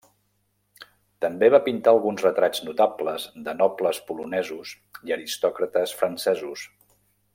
També va pintar alguns retrats notables de nobles Polonesos i aristòcrates francesos.